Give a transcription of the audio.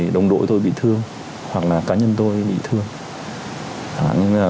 đồng đội tôi bị thương hoặc là cá nhân tôi bị thương